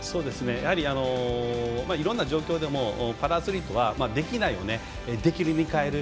やはり、いろんな状況でもパラアスリートは、できないをできるに変える。